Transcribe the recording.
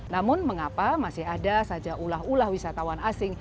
namun mengapa masih ada saja ulah ulah wisatawan asing